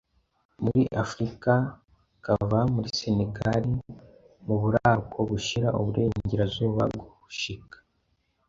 muri Afrika, kava muri Senegali mu buraruko bushira uburengerazuba, gushika